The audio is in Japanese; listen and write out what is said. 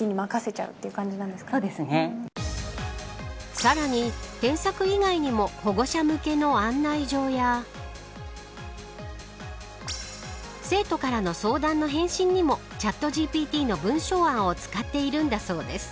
さらに、添削以外にも保護者向けの案内状や生徒からの相談の返信にもチャットＧＰＴの文章案を使っているんだそうです。